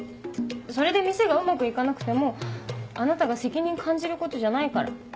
それで店がうまく行かなくてもあなたが責任感じることじゃないから。